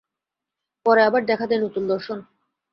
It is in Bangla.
পরে আবার দেখা দেয় নূতন দর্শন।